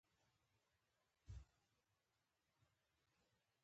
مکتب، مشرب، ذهب او نور یې په احتیاط کارولي.